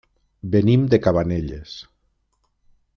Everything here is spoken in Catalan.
Venim de Cabanelles.